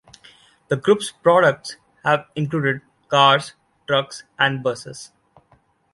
The group's products have included cars, trucks, and buses.